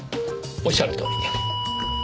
おっしゃるとおり。